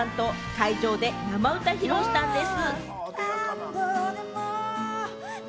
会場で生歌披露したんです。